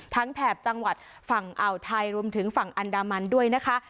แถบจังหวัดฝั่งอ่าวไทยรวมถึงฝั่งอันดามันด้วยนะคะ